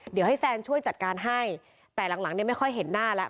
เดี๋ยวให้แซนช่วยจัดการให้แต่หลังหลังเนี่ยไม่ค่อยเห็นหน้าแล้ว